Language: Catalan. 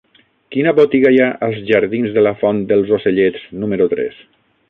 Quina botiga hi ha als jardins de la Font dels Ocellets número tres?